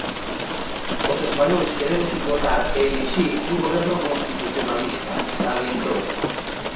Os españois queremos ir votar e elixir un goberno constitucionalista, salientou.